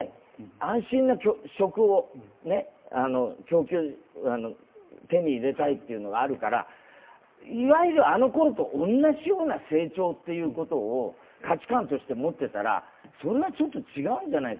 安心な食を手に入れたいというのがあるのでいわゆるあのころと同じような成長というのを価値観として持っていたらそれはちょっと違うんじゃないか。